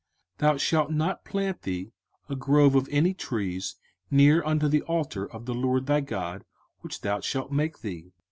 05:016:021 Thou shalt not plant thee a grove of any trees near unto the altar of the LORD thy God, which thou shalt make thee.